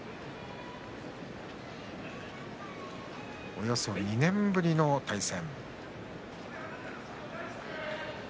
およそ２年ぶりの対戦。